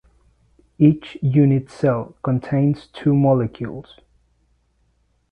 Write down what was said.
Each unit cell contains two molecules.